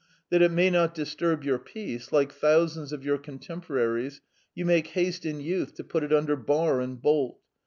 That it may not disturb your peace, like thousands of your contemporaries, you made haste in youth to put it under bar and bolt.